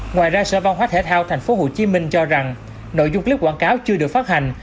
ngoài ra sở văn hóa thể thao tp hcm cho rằng nội dung clip quảng cáo chưa được phát hành